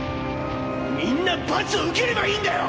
みんな罰を受ければいいんだよ！